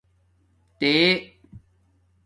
تݺ